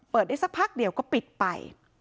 ได้สักพักเดียวก็ปิดไป